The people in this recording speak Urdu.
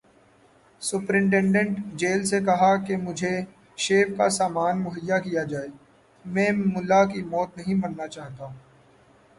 سپرنٹنڈنٹ جیل سے کہا کہ مجھے شیو کا سامان مہیا کیا جائے، میں ملا کی موت نہیں مرنا چاہتا۔